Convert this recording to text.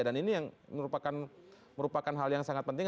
dan ini yang merupakan hal yang sangat penting